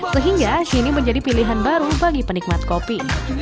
sehingga sini menjadi pilihan baru bagi penikmat kopi